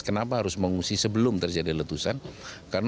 kenapa harus mengungsi sebelum terjadi letusan